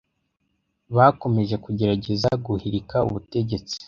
bakomeje Kugerageza guhirika ubutegetsi